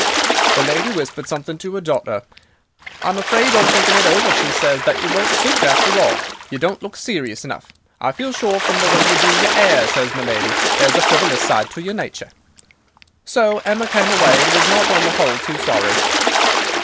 "The lady whispered something to 'er daughter. 'I am afraid, on thinking it over,' she says, 'that you won't suit, after all. You don't look serious enough. I feel sure, from the way you do your 'air,' says my lady, 'there's a frivolous side to your nature.' "So Emma came away, and was not, on the whole, too sorry."